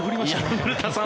古田さん